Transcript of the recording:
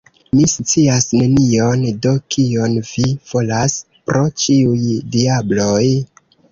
Mi scias nenion; do kion vi volas, pro ĉiuj diabloj?